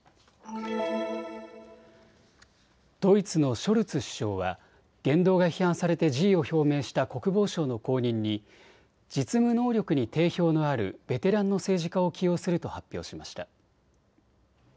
ドイツのショルツ首相は言動が批判されて辞意を表明した国防相の後任に実務能力に定評のあるベテランの政治家を起用すると発表しました。